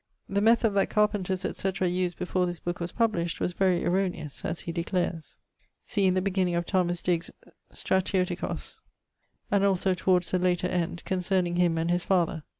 The method that carpenters etc. used before this booke was published was very erronious, as he declares. ☞ See in the beginning of Digges' Stratiocos, and also towards the later end, concerning him and his father.